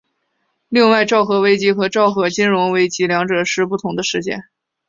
另外昭和危机跟昭和金融危机两者是不同的事件。